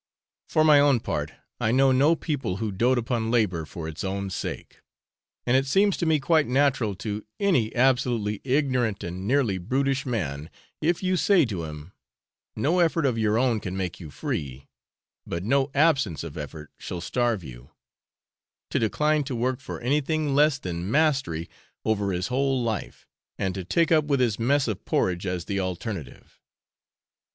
For my own part, I know no people who doat upon labour for its own sake; and it seems to me quite natural to any absolutely ignorant and nearly brutish man, if you say to him, 'No effort of your own can make you free, but no absence of effort shall starve you,' to decline to work for anything less than mastery over his whole life, and to take up with his mess of porridge as the alternative.